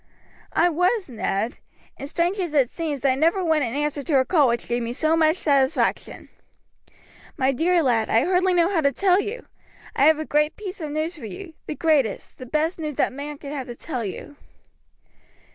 "I was, Ned, and strange as it seems I never went in answer to a call which gave me so much satisfaction. My dear lad, I hardly know how to tell you. I have a piece of news for you; the greatest, the best news that man could have to tell you."